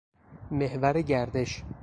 محور گردش